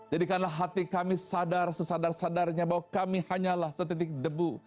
jadikanlah hati kami sadar sesadar sadarnya bahwa kami hanyalah setitik debu